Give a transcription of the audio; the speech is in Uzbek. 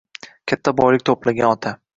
katta boylik to'plagan ota